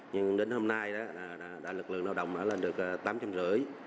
nhưng đến hôm nay lực lượng lao động đã lên được tám trăm rưỡi